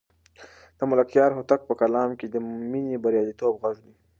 د ملکیار هوتک په کلام کې د مینې د بریالیتوب غږ دی.